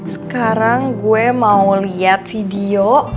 sekarang gue mau lihat video